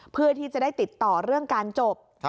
เพื่อที่จะได้ติดต่อเรื่องการจบ